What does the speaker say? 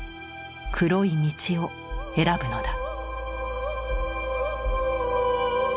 黒い道を選ぶのだ」。